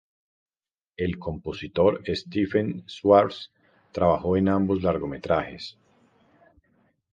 El compositor Stephen Schwartz trabajó en ambos largometrajes.